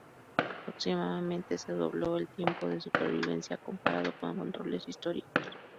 Aproximadamente se dobló el tiempo de supervivencia comparado con controles históricos.